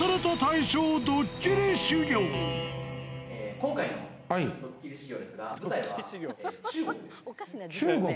今回のドッキリ修行ですが、中国？